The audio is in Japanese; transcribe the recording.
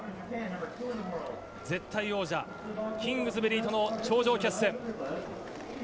絶対王者、キングズベリーとの頂上決戦。